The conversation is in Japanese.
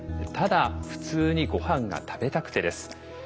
「ただ、普通にご飯が食べたくて」です。